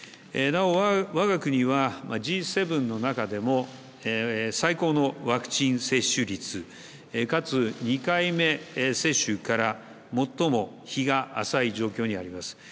わが国はＧ７の中でも最高のワクチン接種率かつ、２回目接種から最も日が浅い状況にあります。